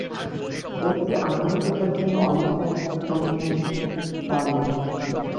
অতি আধুনিকতার জন্য অনেক নারী তাঁর সন্তানকে বুকের দুধ খাওয়ান না।